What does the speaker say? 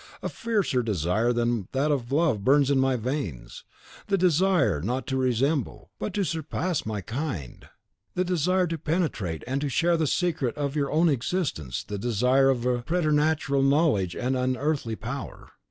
A fiercer desire than that of love burns in my veins, the desire not to resemble but to surpass my kind; the desire to penetrate and to share the secret of your own existence the desire of a preternatural knowledge and unearthly power.